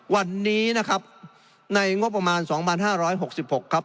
วันนี้นะครับในงบประมาณ๒๕๖๖ครับ